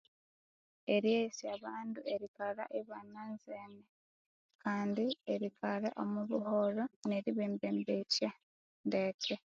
Eryeghesya abandu erikalha ibananzene kandi erikalha omwa buholho neribembembetya ndeke